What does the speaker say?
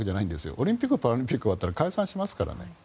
オリンピック・パラリンピックが終わったら解散するので。